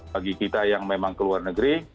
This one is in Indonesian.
bagi kita yang memang ke luar negeri